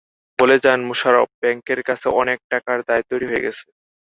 বলে যান মোশারফ, ব্যাংকের কাছে অনেক টাকার দায় তৈরি হয়ে গেছে।